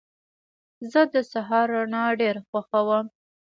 زه د سهار رڼا ډېره خوښوم.